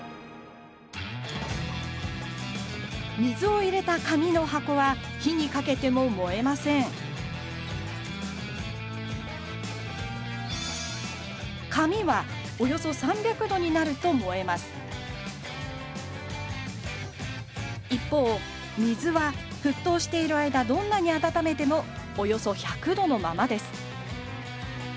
水を入れた紙の箱は火にかけても燃えません紙はおよそ３００度になると燃えます一方水は沸騰している間どんなに温めてもおよそ１００度のままです